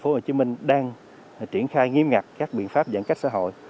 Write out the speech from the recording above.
tp hcm đang triển khai nghiêm ngặt các biện pháp giãn cách xã hội